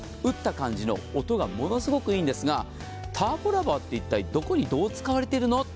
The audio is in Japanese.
打った感じの音がものすごくいいんですがターボラバーって一体どこにどう使われているの？